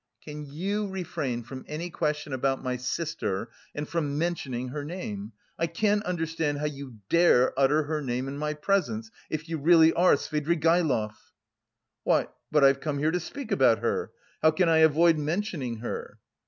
"Can you refrain from any question about my sister and from mentioning her name? I can't understand how you dare utter her name in my presence, if you really are Svidrigaïlov." "Why, but I've come here to speak about her; how can I avoid mentioning her?"